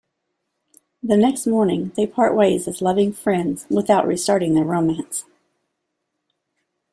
The next morning, they part ways as loving friends without restarting their romance.